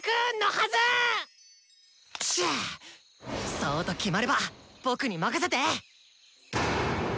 そうと決まれば僕に任せて！